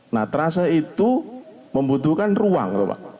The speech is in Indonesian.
nah trase itu membutuhkan ruang